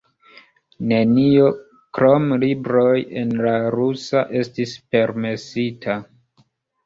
Nenio, krom libroj en la rusa, estis permesita.